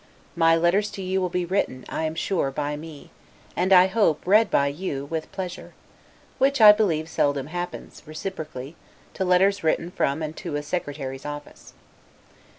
My letters to you will be written, I am sure, by me, and, I hope, read by you, with pleasure; which, I believe, seldom happens, reciprocally, to letters written from and to a secretary's office.